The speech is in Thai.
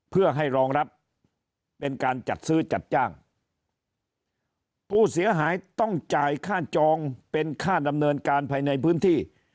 เพื่อให้รองรับเป็นการจัดซื้อจัดจ้างผู้เสียหายต้องจ่ายค่าจองเป็นค่าดำเนินการภายในพื้นที่